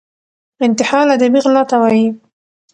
انتحال ادبي غلا ته وايي.